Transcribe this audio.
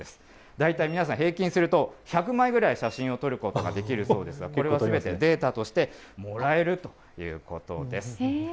大体皆さん、平均すると１００枚ぐらい写真を撮ることができるそうですが、これはすべてデータとしてもらえるということです。